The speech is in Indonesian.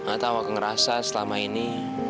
gak tau aku ngerasa selama ini